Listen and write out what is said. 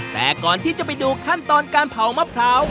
แต่ก่อนที่จะไปดูขั้นตอนการเผามะพร้าว